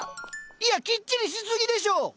いやきっちりしすぎでしょ！